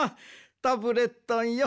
タブレットンよ